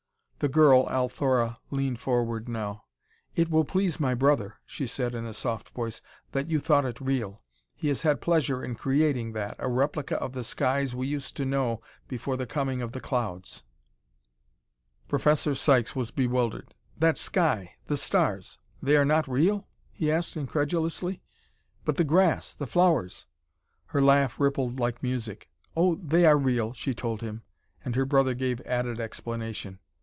The girl, Althora, leaned forward now. "It will please my brother," she said in a soft voice, "that you thought it real. He has had pleasure in creating that a replica of the skies we used to know before the coming of the clouds." Professor Sykes was bewildered. "That sky the stars they are not real?" he asked incredulously. "But the grass the flowers " Her laugh rippled like music. "Oh, they are real," she told him, and her brother gave added explanation.